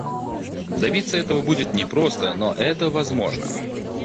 Добиться этого будет непросто, но это возможно.